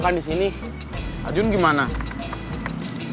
hati hati di jalan